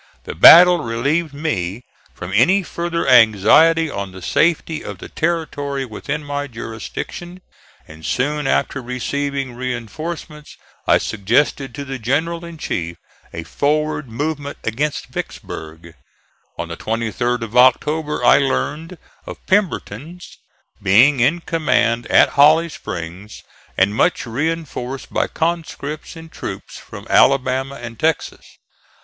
The battle relieved me from any further anxiety for the safety of the territory within my jurisdiction, and soon after receiving reinforcements I suggested to the general in chief a forward movement against Vicksburg. On the 23d of October I learned of Pemberton's being in command at Holly Springs and much reinforced by conscripts and troops from Alabama and Texas.